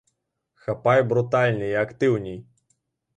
Хапай брутальней і актыўней!